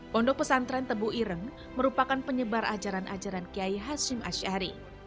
pondok pesantren tebu ireng merupakan penyebar ajaran ajaran kiai hashim ash'ari